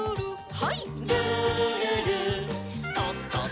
はい。